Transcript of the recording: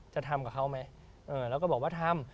จะทำกับเขาไหมแล้วก็บอกว่าทำ